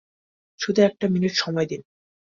শুধু একটা মিনিট সময় দিন।